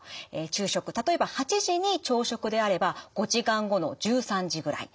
昼食例えば８時に朝食であれば５時間後の１３時ぐらい。